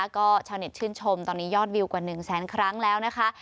ก็ชาวเน็ตชื่นชมตอนนี้ยอดวิวกว่า๑แสนครั้งแล้วนะคะ